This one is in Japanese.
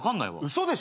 嘘でしょ？